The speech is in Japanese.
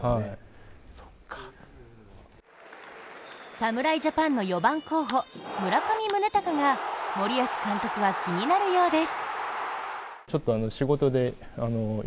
侍ジャパンの４番候補、村上宗隆は森保監督は気になるようです。